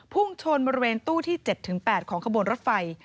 พุ่งชนบริเวณตู้ที่๗๘ของขบวนรถไฟ